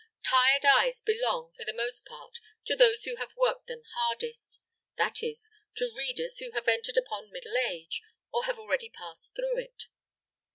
Tired eyes belong, for the most part, to those who have worked them hardest; that is, to readers who have entered upon middle age or have already passed through it.